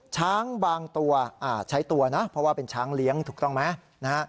ช้างบางตัวใช้ตัวนะเพราะว่าเป็นช้างเลี้ยงถูกต้องไหมนะฮะ